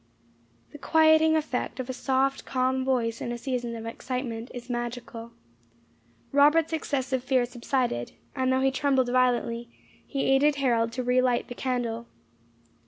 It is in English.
The quieting effect of a soft, calm voice in a season of excitement is magical. Robert's excessive fear subsided, and though he trembled violently, he aided Harold to re light the candle.